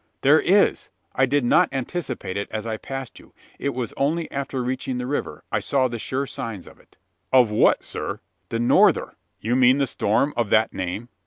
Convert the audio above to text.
"There is. I did not anticipate it, as I passed you. It was only after reaching the river, I saw the sure signs of it." "Of what, sir?" "The norther." "You mean the storm of that name?"